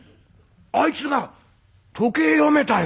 あいつが時計読めたよ」